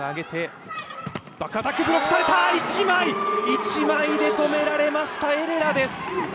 一枚で止められましたエレラです。